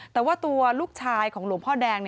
แต่ว่าตัวลูกชายของหลวงพ่อแดง